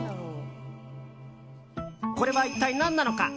これは一体何なのか。